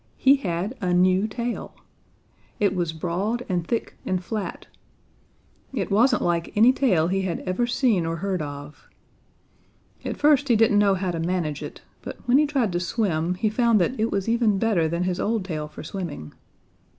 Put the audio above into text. He had a new tail! It was broad and thick and flat. It wasn't like any tail he had ever seen or heard of. At first he didn't know how to manage it, but when he tried to swim, he found that it was even better than his old tail for swimming.